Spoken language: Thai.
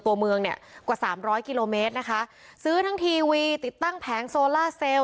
ตัวเมืองเนี่ยกว่าสามร้อยกิโลเมตรนะคะซื้อทั้งทีวีติดตั้งแผงโซล่าเซลล